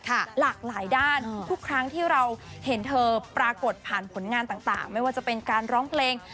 หลากหลายด้านทุกครั้งที่เราเห็นเธอปรากฏผ่านผลงานต่างไม่ว่าจะเป็นการร้องเพลง